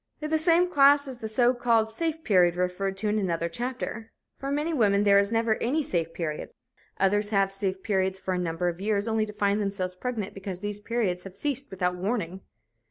In the same class is the so called "safe period" referred to in another chapter. For many women there is never any "safe period." Others have "safe periods" for a number of years, only to find themselves pregnant because these periods have ceased without warning.